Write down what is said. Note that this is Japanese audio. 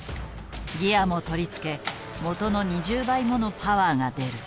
ギアも取り付け元の２０倍ものパワーが出る。